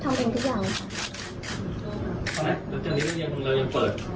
ทำเองทุกอย่างแล้วจะได้เรียนของเรายังเปิด